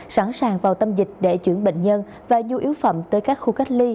sẵn sàng vào tâm dịch để chuyển bệnh nhân và du yếu phẩm tới các khu cách ly